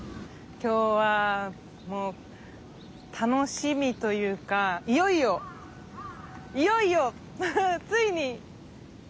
今日はもう楽しみというかいよいよいよいよついに！